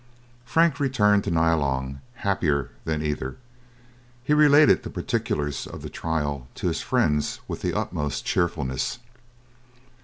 Frank returned to Nyalong, happier than either. He related the particulars of the trial to his friends with the utmost cheerfulness.